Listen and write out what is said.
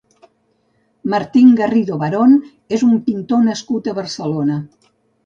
Martín Garrido Barón és un pintor nascut a Barcelona.